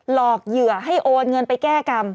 หลอกเหยื่อให้โอนเงินไปแก้กรรม